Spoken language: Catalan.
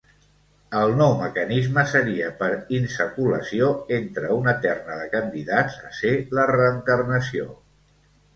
El nou mecanisme seria per insaculació entre una terna de candidats a ser la reencarnació.